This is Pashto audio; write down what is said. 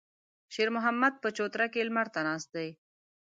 شېرمحمد په چوتره کې لمر ته ناست و.